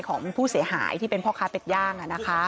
ของผู้เสียหายที่เป็นพ่อค้าเป็ดย่าง